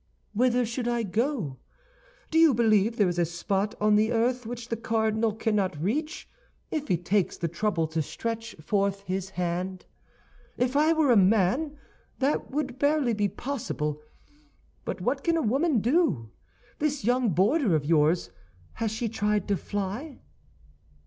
"Whither should I go? Do you believe there is a spot on the earth which the cardinal cannot reach if he takes the trouble to stretch forth his hand? If I were a man, that would barely be possible; but what can a woman do? This young boarder of yours, has she tried to fly?"